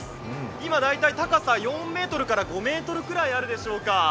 今大体高さ４ｍから５ｍくらいあるでしょうか。